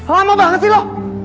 lama banget sih lo